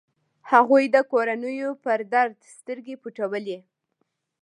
هغوی د کورنيو پر درد سترګې پټولې.